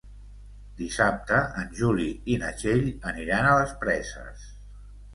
Dissabte en Juli i na Txell aniran a les Preses.